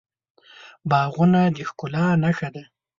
باغونه د ښکلا نښه ده.